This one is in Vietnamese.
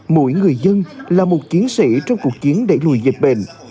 mỗi người dân là một chiến sĩ trong cuộc chiến đẩy lùi dịch bệnh